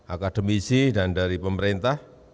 akademisi dan dari pemerintah